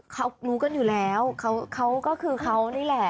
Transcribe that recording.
เขารู้กันอยู่แล้วเขาก็คือเขานี่แหละ